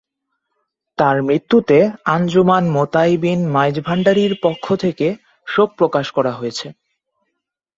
তাঁর মৃত্যুতে আঞ্জুমান মোত্তায়েবীনে মাহজভাণ্ডারীর পক্ষ থেকে শোক প্রকাশ করা হয়েছে।